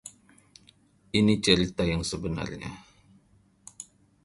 Ini cerita yang sebenarnya.